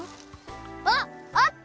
あっあった！